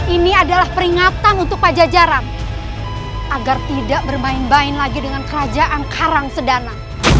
ini adalah peringatan untuk pajajaran agar tidak bermain main lagi dengan kerajaan karang sedana